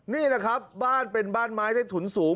นี่แหละครับบ้านเป็นบ้านไม้ใต้ถุนสูง